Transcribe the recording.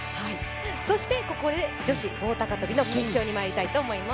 そしてここで女子棒高跳の決勝にまいりたいと思います。